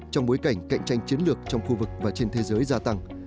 bảy hai trong bối cảnh cạnh tranh chiến lược trong khu vực và trên thế giới gia tăng